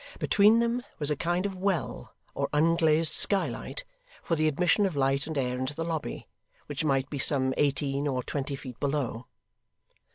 Between them was a kind of well, or unglazed skylight, for the admission of light and air into the lobby, which might be some eighteen or twenty feet below.